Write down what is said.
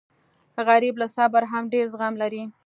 غریب له صبره هم ډېر زغم لري